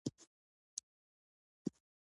د غاښونو روغتیا د ټول بدن پر صحت اغېز لري.